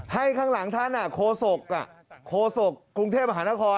ให้ข้างหลังท่านโคศกโคศกกรุงเทพฯมหานคร